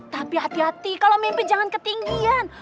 tapi hati hati kalau mimpi jangan ketinggian